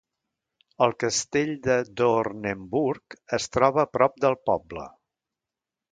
El castell de Doornenburg es troba a prop del poble.